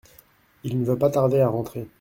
Il ne va pas tarder à rentrer.